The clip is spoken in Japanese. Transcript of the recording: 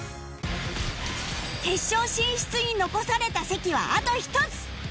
決勝進出に残された席はあと１つ！